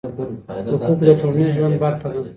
حقوق د ټولنيز ژوند برخه ده؟